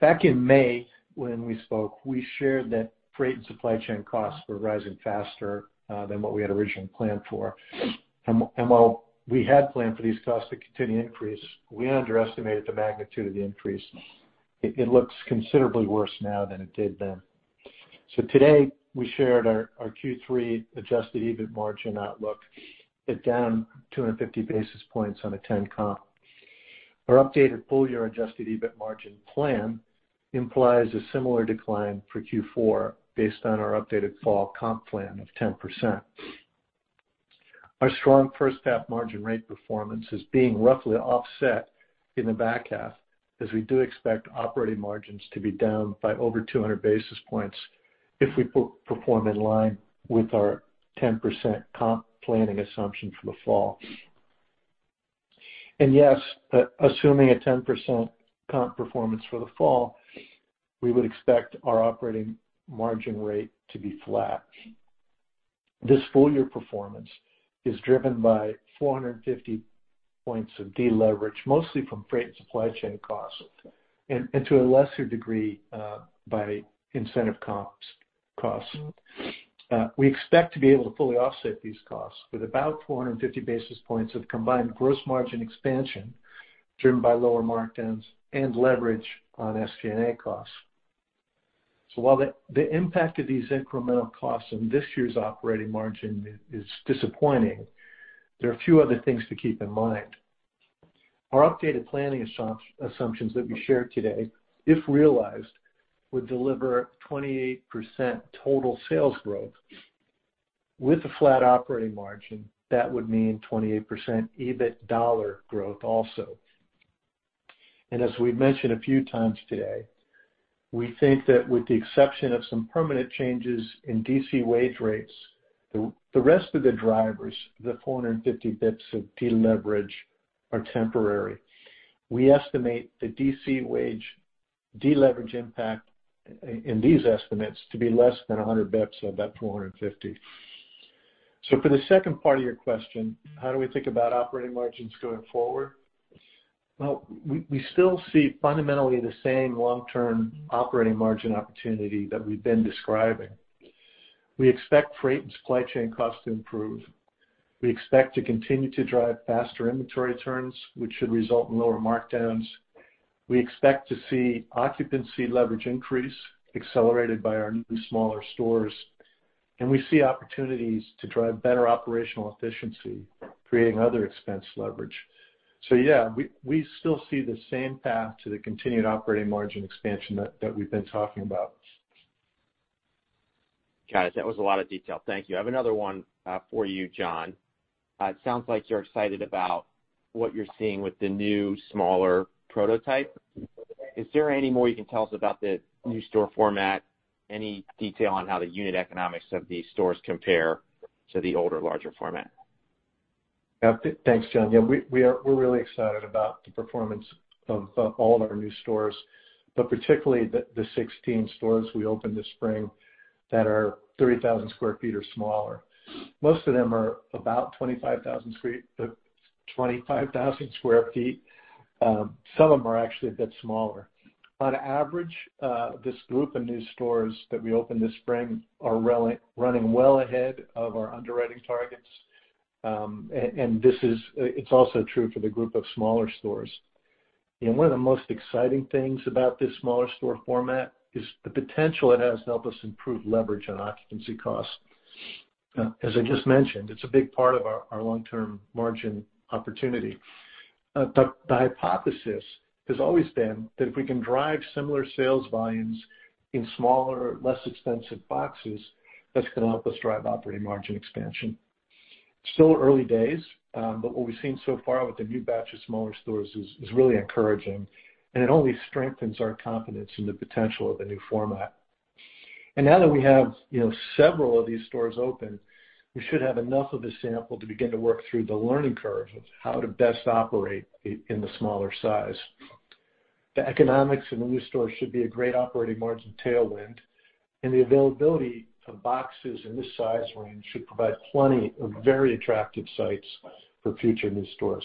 Back in May, when we spoke, we shared that freight and supply chain costs were rising faster than what we had originally planned for. While we had planned for these costs to continue to increase, we underestimated the magnitude of the increase. It looks considerably worse now than it did then. Today, we shared our Q3 adjusted EBIT margin outlook at down 250 basis points on a 10 comp. Our updated full-year adjusted EBIT margin plan implies a similar decline for Q4 based on our updated fall comp plan of 10%. Our strong first half margin rate performance is being roughly offset in the back half as we do expect operating margins to be down by over 200 basis points if we perform in line with our 10% comp planning assumption for the fall. Yes, assuming a 10% comp performance for the fall, we would expect our operating margin rate to be flat. This full-year performance is driven by 450 points of deleverage, mostly from freight and supply chain costs, and to a lesser degree, by incentive comps costs. We expect to be able to fully offset these costs with about 450 basis points of combined gross margin expansion driven by lower markdowns and leverage on SG&A costs. While the impact of these incremental costs on this year's operating margin is disappointing, there are a few other things to keep in mind. Our updated planning assumptions that we shared today, if realized, would deliver 28% total sales growth. With a flat operating margin, that would mean 28% EBIT dollar growth also. As we've mentioned a few times today, we think that with the exception of some permanent changes in Distribution Center wage rates, the rest of the drivers, the 450 basis points of deleverage are temporary. We estimate the DC wage deleverage impact in these estimates to be less than 100 basis points of that 450 basis points. For the second part of your question, how do we think about operating margins going forward? Well, we still see fundamentally the same long-term operating margin opportunity that we've been describing. We expect freight and supply chain costs to improve. We expect to continue to drive faster inventory turns, which should result in lower markdowns. We expect to see occupancy leverage increase accelerated by our new smaller stores. We see opportunities to drive better operational efficiency, creating other expense leverage. Yeah, we still see the same path to the continued operating margin expansion that we've been talking about. Got it. That was a lot of detail. Thank you. I have another one for you, John. It sounds like you're excited about what you're seeing with the new, smaller prototype. Is there any more you can tell us about the new store format? Any detail on how the unit economics of these stores compare to the older, larger format? Thanks, John. We're really excited about the performance of all of our new stores, but particularly the 16 stores we opened this spring that are 30,000 sq ft or smaller. Most of them are about 25,000 sq ft. Some of them are actually a bit smaller. On average, this group of new stores that we opened this spring are running well ahead of our underwriting targets. It's also true for the group of smaller stores. One of the most exciting things about this smaller store format is the potential it has to help us improve leverage on occupancy costs. As I just mentioned, it's a big part of our long-term margin opportunity. The hypothesis has always been that if we can drive similar sales volumes in smaller, less expensive boxes, that's going to help us drive operating margin expansion. Still early days, what we've seen so far with the new batch of smaller stores is really encouraging, and it only strengthens our confidence in the potential of the new format. Now that we have several of these stores open, we should have enough of a sample to begin to work through the learning curve of how to best operate in the smaller size. The economics in the new stores should be a great operating margin tailwind, and the availability of boxes in this size range should provide plenty of very attractive sites for future new stores.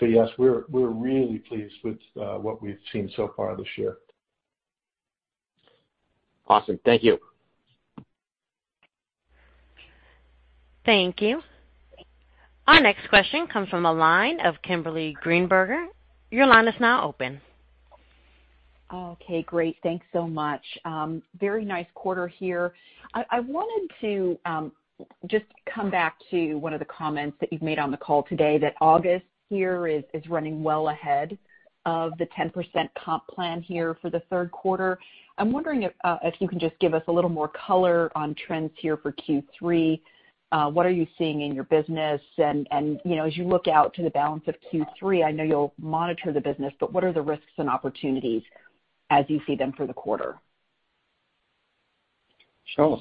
Yes, we're really pleased with what we've seen so far this year. Awesome. Thank you. Thank you. Our next question comes from the line of Kimberly Greenberger. Your line is now open. Okay, great. Thanks so much. Very nice quarter here. I wanted to just come back to one of the comments that you've made on the call today, that August here is running well ahead of the 10% comp plan here for the third quarter. I'm wondering if you can just give us a little more color on trends here for Q3. What are you seeing in your business? As you look out to the balance of Q3, I know you'll monitor the business, but what are the risks and opportunities as you see them for the quarter? Sure.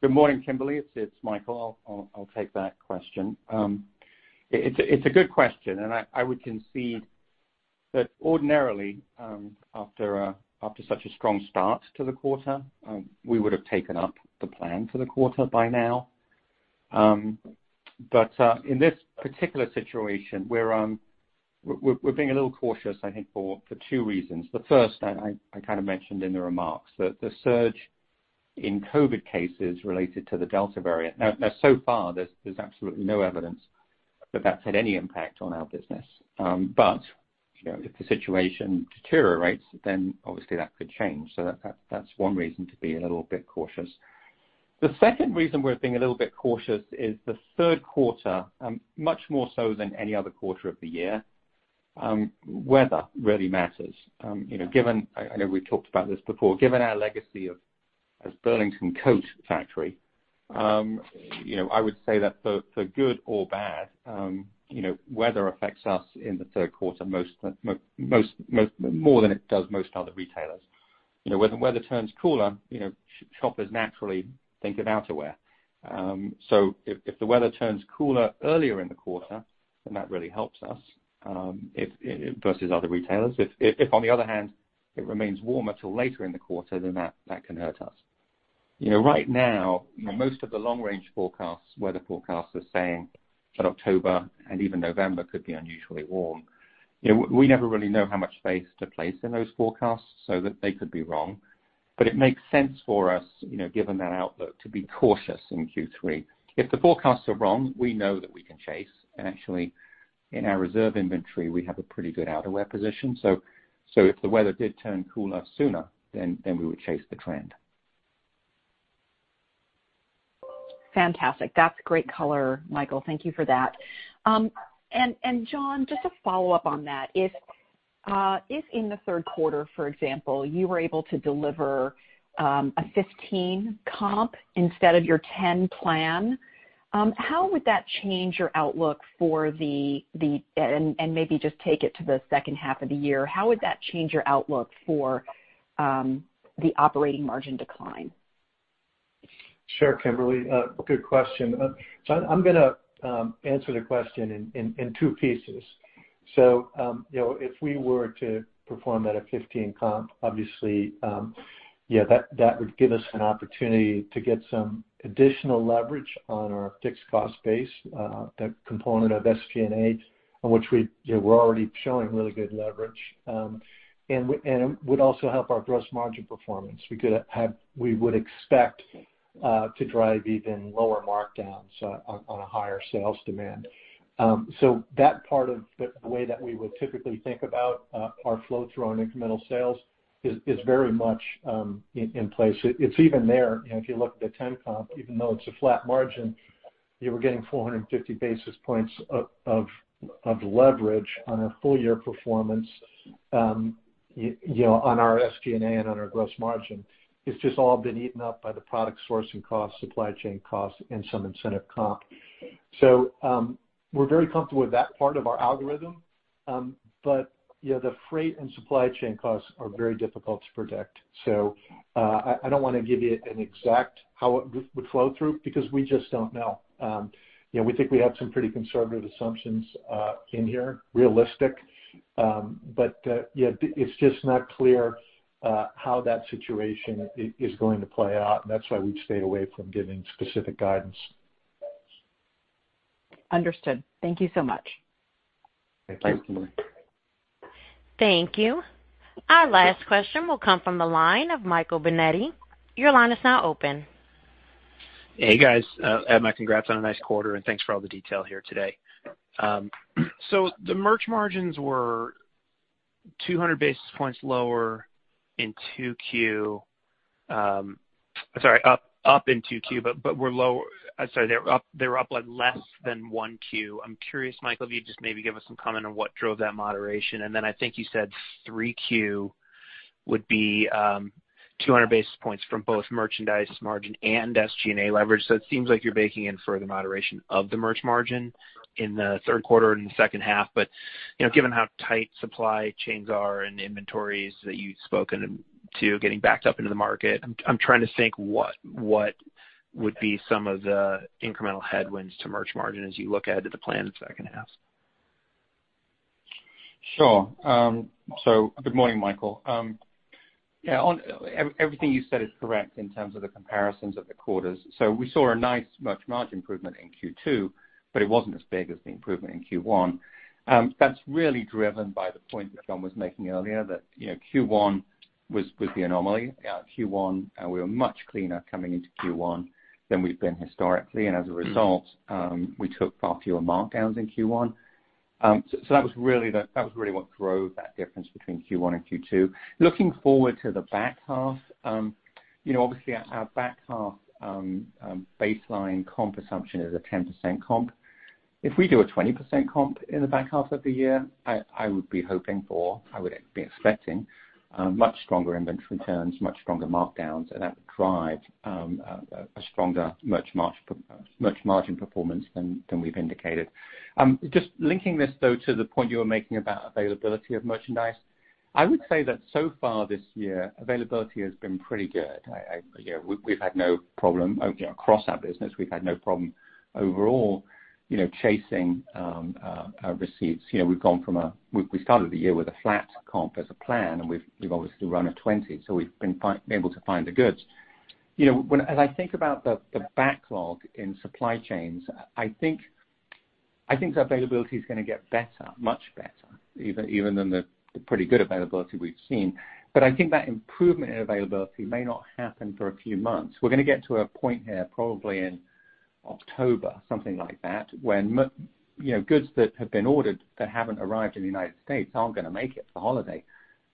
Good morning, Kimberly, it's Michael. I'll take that question. It's a good question, and I would concede that ordinarily, after such a strong start to the quarter, we would have taken up the plan for the quarter by now. In this particular situation, we're being a little cautious, I think, for two reasons. The first, I kind of mentioned in the remarks, the surge in COVID cases related to the Delta variant. Now so far, there's absolutely no evidence that that's had any impact on our business. If the situation deteriorates, then obviously that could change. That's one reason to be a little bit cautious. The second reason we're being a little bit cautious is the third quarter, much more so than any other quarter of the year, weather really matters. I know we talked about this before, given our legacy as Burlington Coat Factory, I would say that for good or bad, weather affects us in the third quarter more than it does most other retailers. When the weather turns cooler, shoppers naturally think of outerwear. If the weather turns cooler earlier in the quarter, then that really helps us versus other retailers. If on the other hand, it remains warmer till later in the quarter, then that can hurt us. Right now, most of the long-range forecasts, weather forecasts, are saying that October and even November could be unusually warm. We never really know how much space to place in those forecasts, so that they could be wrong. It makes sense for us, given that outlook, to be cautious in Q3. If the forecasts are wrong, we know that we can chase, and actually, in our reserve inventory, we have a pretty good outerwear position. If the weather did turn cooler sooner, we would chase the trend. Fantastic. That's great color, Michael. Thank you for that. John, just a follow-up on that. If in the third quarter, for example, you were able to deliver a 15 comp instead of your 10 plan, and maybe just take it to the second half of the year, how would that change your outlook for the operating margin decline? Sure, Kimberly. Good question. I'm going to answer the question in two pieces. If we were to perform at a 15 comp, obviously, that would give us an opportunity to get some additional leverage on our fixed cost base, that component of SG&A, on which we're already showing really good leverage. It would also help our gross margin performance. We would expect to drive even lower markdowns on a higher sales demand. That part of the way that we would typically think about our flow-through on incremental sales is very much in place. It's even there if you look at the 10 comp, even though it's a flat margin, you were getting 450 basis points of leverage on a full-year performance on our SG&A and on our gross margin. It's just all been eaten up by the product sourcing cost, supply chain cost, and some incentive comp. We're very comfortable with that part of our algorithm. The freight and supply chain costs are very difficult to predict. I don't want to give you an exact how it would flow through, because we just don't know. We think we have some pretty conservative assumptions in here, realistic. It's just not clear how that situation is going to play out, and that's why we've stayed away from giving specific guidance. Understood. Thank you so much. Thank you. Thank you. Thank you. Our last question will come from the line of Michael Binetti. Your line is now open. Hey, guys. Add my congrats on a nice quarter. Thanks for all the detail here today. The merch margins were 200 basis points up in 2Q, but they were up less than 1Q. I'm curious, Michael, if you'd just maybe give us some comment on what drove that moderation. I think you said 3Q would be 200 basis points from both merchandise margin and SG&A leverage. It seems like you're baking in further moderation of the merch margin in the third quarter and the second half. Given how tight supply chains are and inventories that you'd spoken to getting backed up into the market, I'm trying to think what would be some of the incremental headwinds to merch margin as you look ahead to the plan in the second half. Good morning, Michael. Everything you said is correct in terms of the comparisons of the quarters. We saw a nice merch margin improvement in Q2, but it wasn't as big as the improvement in Q1. That's really driven by the point that John was making earlier, that Q1 was the anomaly. Q1, we were much cleaner coming into Q1 than we've been historically. As a result, we took far fewer markdowns in Q1. That was really what drove that difference between Q1 and Q2. Looking forward to the back half, obviously our back half baseline comp assumption is a 10% comp. If we do a 20% comp in the back half of the year, I would be expecting much stronger inventory turns, much stronger markdowns, and that would drive a stronger merch margin performance than we've indicated. Linking this, though, to the point you were making about availability of merchandise, I would say that so far this year, availability has been pretty good. Across our business, we've had no problem overall chasing our receipts. We started the year with a flat comp as a plan, we've obviously run a 20, we've been able to find the goods. As I think about the backlog in supply chains, I think the availability is going to get better, much better, even than the pretty good availability we've seen. I think that improvement in availability may not happen for a few months. We're going to get to a point here, probably in October, something like that, when goods that have been ordered that haven't arrived in the United States aren't going to make it for holiday.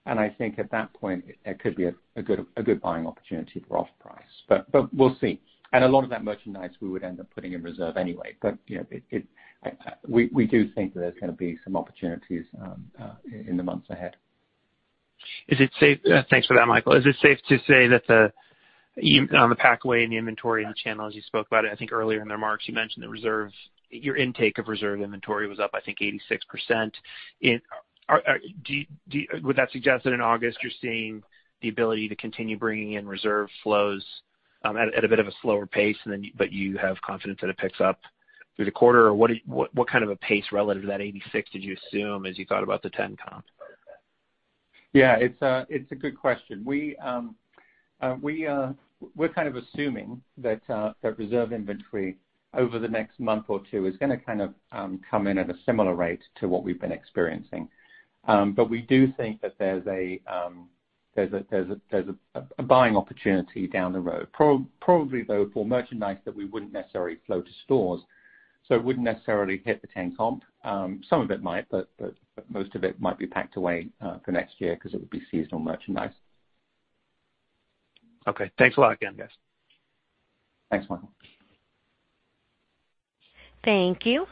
I think at that point it could be a good buying opportunity for off-price. We'll see. A lot of that merchandise we would end up putting in reserve anyway. We do think that there's going to be some opportunities in the months ahead. Thanks for that, Michael. Is it safe to say that on the packaway inventory and the channels, you spoke about it, I think earlier in the remarks, you mentioned your intake of reserve inventory was up, I think, 86%. Would that suggest that in August you're seeing the ability to continue bringing in reserve flows at a bit of a slower pace, but you have confidence that it picks up through the quarter? Or what kind of a pace relative to that 86% did you assume as you thought about the 10 comp? Yeah, it's a good question. We're kind of assuming that reserve inventory over the next month or two is going to come in at a similar rate to what we've been experiencing. We do think that there's a buying opportunity down the road, probably, though, for merchandise that we wouldn't necessarily flow to stores, so it wouldn't necessarily hit the 10 comp. Some of it might, most of it might be packed away for next year because it would be seasonal merchandise. Okay. Thanks a lot again, guys. Thanks, Michael. Thank you.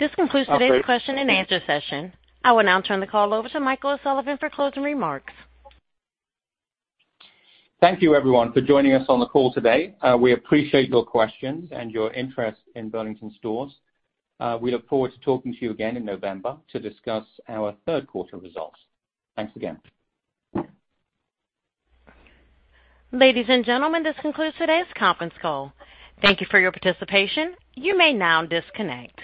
This concludes today's question and answer session. I will now turn the call over to Michael O'Sullivan for closing remarks. Thank you, everyone, for joining us on the call today. We appreciate your questions and your interest in Burlington Stores. We look forward to talking to you again in November to discuss our third quarter results. Thanks again. Ladies and gentlemen, this concludes today's conference call. Thank you for your participation. You may now disconnect.